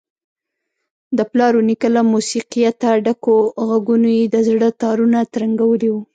د پلار ونیکه له موسیقیته ډکو غږونو یې د زړه تارونه ترنګولي وو.